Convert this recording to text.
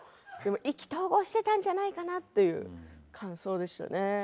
意気投合してたんじゃないかなという感想でしたね。